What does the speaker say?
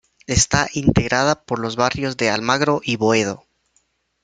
Está integrada por los barrios de Almagro y Boedo.